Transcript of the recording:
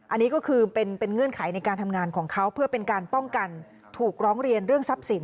อันนี้ก็คือเป็นเงื่อนไขในการทำงานของเขาเพื่อเป็นการป้องกันถูกร้องเรียนเรื่องทรัพย์สิน